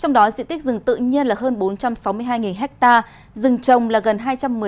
trong đó diện tích rừng tự nhiên là hơn bốn trăm sáu mươi hai hectare rừng trồng là gần hai trăm một mươi chín hectare